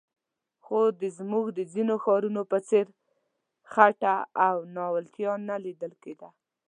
خو د زموږ د ځینو ښارونو په څېر خټه او ناولتیا نه لیدل کېده.